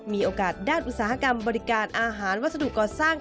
มีโอกาสด้านอุตสาหกรรมบริการอาหารวัสดุก่อสร้าง